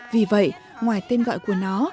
vì vậy ngoài tên gọi của nó